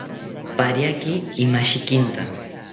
Pariaki imashikinta